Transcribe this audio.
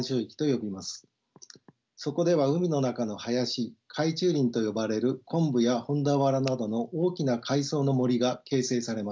そこでは海の中の林海中林と呼ばれるコンブやホンダワラなどの大きな海藻の森が形成されます。